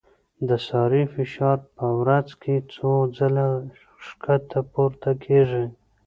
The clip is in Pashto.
د سارې فشار په ورځ کې څو ځله ښکته پورته کېږي.